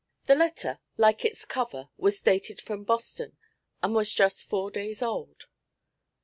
The letter, like its cover, was dated from Boston, and was just four days old.